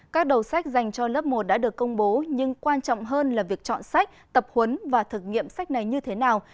các đầu sách dành cho lớp một đã được công bố nhưng quan trọng hơn là việc chọn sách tập huấn và thực nghiệm sách này như thế nào